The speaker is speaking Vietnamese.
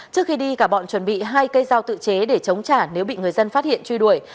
trước khi đi cả bọn chuẩn bị hai cây dao tự chế để chống trả nếu bị người dân phát hiện truy đuổi